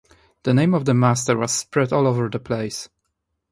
The name of the master was spread all over the place.